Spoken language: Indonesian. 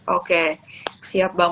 oke siap bang